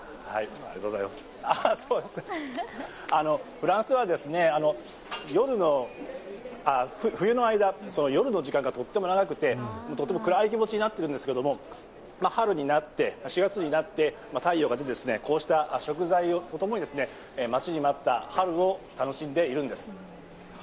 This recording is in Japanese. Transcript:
フランスでは冬の間、夜の時間がとても長くて、とても暗い気持ちになっているんですけども、春になって４月になって太陽が出て、こうした食材とともに待ちに待った春を楽しんでいるんです。